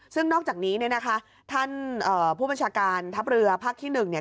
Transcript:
ซึ่งนอกจากนี้เนี่ยนะคะท่านผู้บัญชาการทัพเรือภาคที่๑เนี่ย